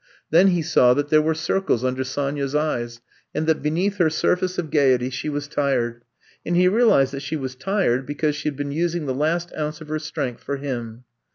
Then he saw that there were circles imder Sonya 's eyes, and that beneath her surface of gaiety she was tired ; and he realized that she was tired because she had been using the last ounce of her strength for him.